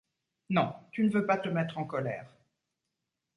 Non tu ne veux pas te mettre en colère.